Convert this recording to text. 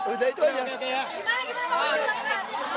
udah itu aja